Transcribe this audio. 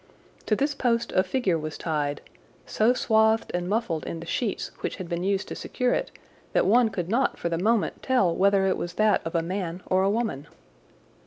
To this post a figure was tied, so swathed and muffled in the sheets which had been used to secure it that one could not for the moment tell whether it was that of a man or a woman.